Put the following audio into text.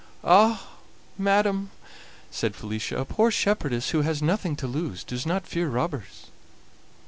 "Ah! madam," said Felicia, "a poor shepherdess who has nothing to lose does not fear robbers."